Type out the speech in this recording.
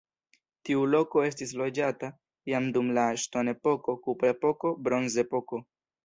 Tiu loko estis loĝata jam dum la ŝtonepoko, kuprepoko, bronzepoko.